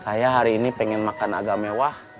saya hari ini pengen makan agak mewah